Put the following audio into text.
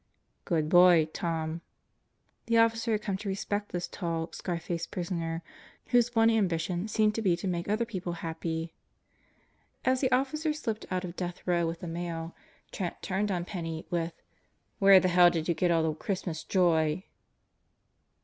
"Good boy, Tom." The officer had come to respect tin's tall, scar faced prisoner whose one ambition seemed to be to make other people happy. As the officer slipped out of Death Row with the mail, Trent turned on Penney with, "Where the hell did you get all the Christmas joy?"